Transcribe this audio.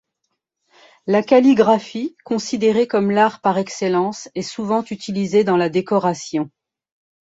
La calligraphie, considérée comme l’art par excellence, est souvent utilisée dans la décoration.